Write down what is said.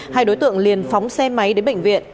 hai đối tượng liền phóng xe máy đến bệnh viện